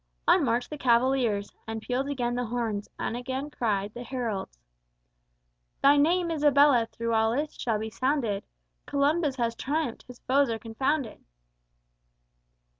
On marched the cavaliers, And pealed again the horns, and again cried The heralds: "_Thy name, Isabella, through all earth shall be sounded, Columbus has triumphed, his foes are confounded!